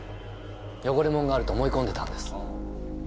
汚れ物があると思い込んでたんです。